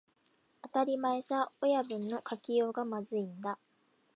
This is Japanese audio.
当たり前さ、親分の書きようがまずいんだ